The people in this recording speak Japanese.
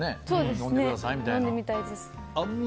飲んでみたいです。